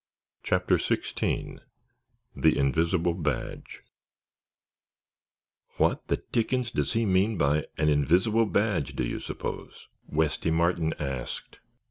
CHAPTER XVI THE INVISIBLE BADGE "What the dickens does he mean by an invisible badge, do you suppose?" Westy Martin asked.